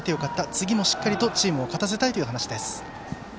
次もしっかりとチームを勝たせたいという話です。